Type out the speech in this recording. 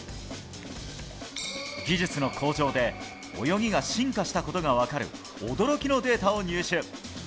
技術の向上で泳ぎが進化したことが分かる驚きのデータを入手。